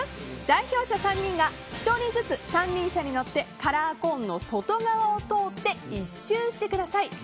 代表者３人が１人ずつ三輪車に乗ってカラーコーンの外側を通って１周してください。